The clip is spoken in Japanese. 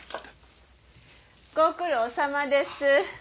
ご苦労さまです。